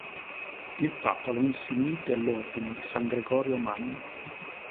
Il papa lo insignì dell'Ordine di San Gregorio Magno.